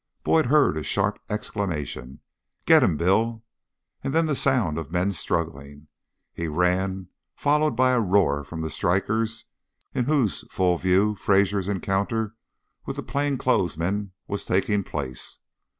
Boyd heard a sharp exclamation "Get him, Bill!" And then the sound of men struggling. He ran, followed by a roar from the strikers, in whose full view Fraser's encounter with the plain clothes men was taking place.